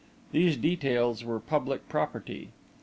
These details were public property.